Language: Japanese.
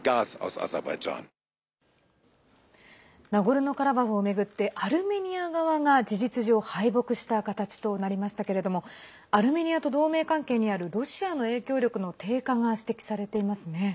ナゴルノカラバフを巡ってアルメニア側が事実上敗北した形となりましたけれどもアルメニアと同盟関係にあるロシアの影響力の低下が指摘されていますね。